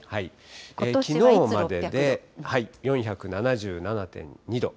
きのうまでで４７７．２度。